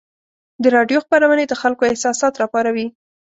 د راډیو خپرونې د خلکو احساسات راپاروي.